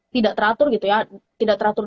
tidak teratur gitu ya tidak teratur